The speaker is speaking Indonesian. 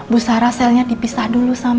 bu sarah selnya dipisah dulu sama bu